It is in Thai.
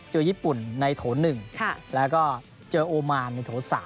เจอญี่ปุ่นในโถ๑แล้วก็เจอโอมานในโถ๓